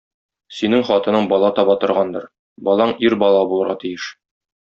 Синең хатының бала таба торгандыр, балаң ир бала булырга тиеш.